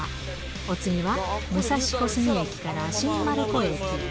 お次は武蔵小杉駅から新丸子駅。